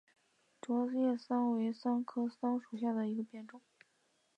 戟叶桑为桑科桑属下的一个变种。